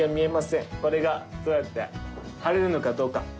これがどうやって晴れるのかどうか。